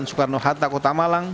soekarno hatta kota malang